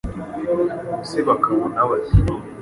Ubu se bakabona bate